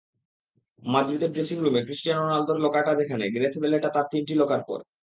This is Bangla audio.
মাদ্রিদের ড্রেসিংরুমে ক্রিস্টিয়ানো রোনালদোর লকারটা যেখানে, গ্যারেথ বেলেরটা তার তিনটি লকার পরে।